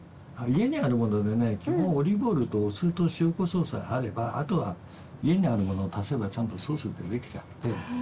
家にあるものでね基本オリーブオイルとお酢と塩こしょうさえあればあとは家にあるものを足せばちゃんとソースってできちゃって。